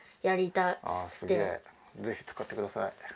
ぜひつかってください。